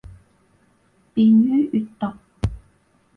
便于阅读